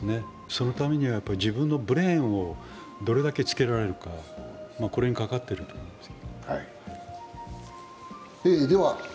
そのためには自分のブレーンをどれだけつけられるかにかかっています。